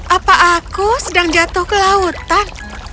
apa aku sedang jatuh ke lautan